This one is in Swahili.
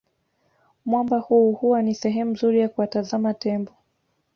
Mwamba huu huwa ni sehemu nzuri ya kuwatazama Tembo